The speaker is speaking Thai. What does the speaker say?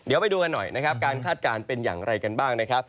เดี๋ยวไปดูกันหน่อยการคาดการณ์เป็นอย่างไรกันบ้าง